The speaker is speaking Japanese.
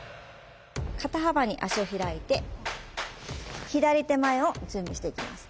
肩幅に足を開いて左手前を準備していきます。